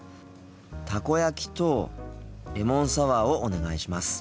たこ焼きとレモンサワーをお願いします。